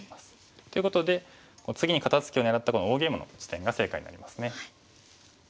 ということで次に肩ツキを狙ったこの大ゲイマの地点が正解になりますね。